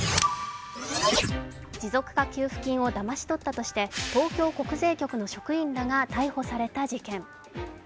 持続化給付金をだまし取ったとして東京国税局の職員らが逮捕された事件。